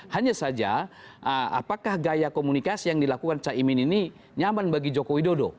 hanya saja apakah gaya komunikasi yang dilakukan caimin ini nyaman bagi jokowi dodo